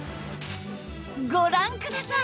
ご覧ください！